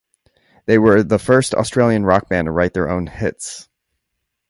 They were the first Australian rock band to write their own hits.